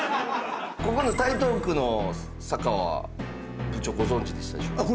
ここの台東区の坂は部長ご存じでしたでしょうか？